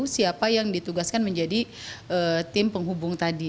siapa yang ditugaskan menjadi tim penghubung tadi